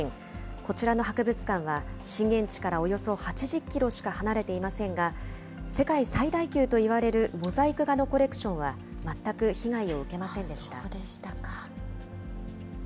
こちらの博物館は、震源地からおよそ８０キロしか離れていませんが、世界最大級といわれるモザイク画のコレクションは全く被害を受けそうでしたか。